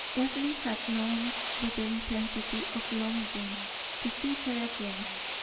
Earle had longed with the intensity of longing to see her again.